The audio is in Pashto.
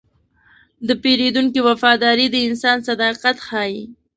د پیرودونکي وفاداري د انسان صداقت ښيي.